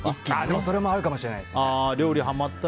それもあるかもしれないです。